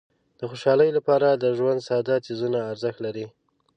د خوشحالۍ لپاره د ژوند ساده څیزونه ارزښت لري.